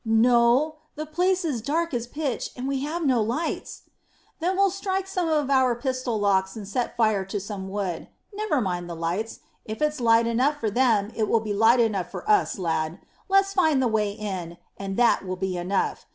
"No. The place is dark as pitch, and we have no lights." "Then we'll strike some with our pistol locks, and set fire to some wood. Never mind the lights. If it's light enough for them, it will be light enough for us, lad. Let's find the way in, and that will be enough.